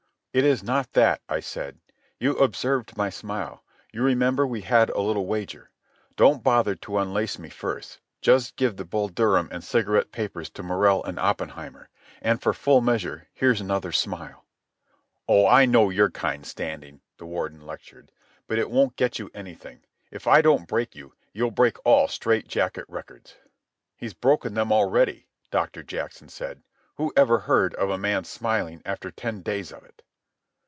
"It is not that," I said. "You observed my smile. You remember we had a little wager. Don't bother to unlace me first. Just give the Bull Durham and cigarette papers to Morrell and Oppenheimer. And for full measure here's another smile." "Oh, I know your kind, Standing," the Warden lectured. "But it won't get you anything. If I don't break you, you'll break all strait jacket records." "He's broken them already," Doctor Jackson said. "Who ever heard of a man smiling after ten days of it?"